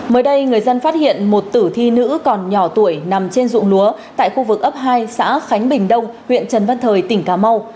mới đây người dân phát hiện một tử thi nữ còn nhỏ tuổi nằm trên dụng lúa tại khu vực ấp hai xã khánh bình đông huyện trần văn thời tỉnh cà mau